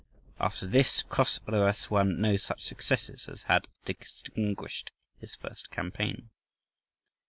After this, Chosroës won no such successes as had distinguished his first campaign.